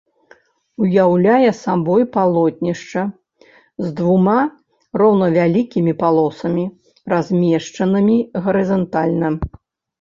Уяўляе сабой палотнішча з двума роўнавялікімі палосамі, размешчанымі гарызантальна.